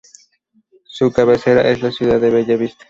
Su cabecera es la ciudad de Bella Vista.